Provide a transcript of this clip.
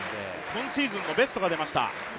今シーズンのベストが出ました。